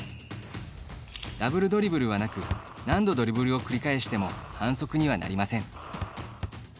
ダブルドリブルはなく何度ドリブルを繰り返しても反則にはなりません。